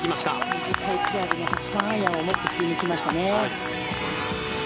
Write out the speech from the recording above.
短いフェアでも１番アイアンを持って振り抜きましたね。